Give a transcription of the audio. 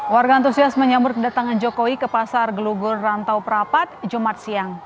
warga antusias menyambut kedatangan jokowi ke pasar gelugur rantau perapat jumat siang